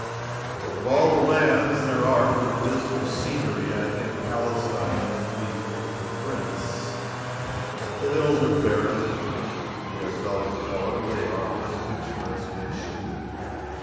Of all the lands there are for dismal scenery, I think Palestine must be the prince. The hills are barren, they are dull of color, they are unpicturesque in shape.